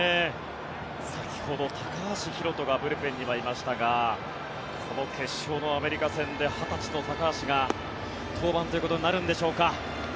先ほど高橋宏斗がブルペンにはいましたがこの決勝のアメリカ戦で２０歳の高橋が登板ということになるんでしょうか。